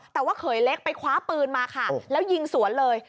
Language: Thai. แต่ว่าเขยเล็กไปคว้าปืนมาค่ะแล้วยิงสวนเลย